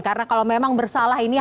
karena kalau memang bersalah ini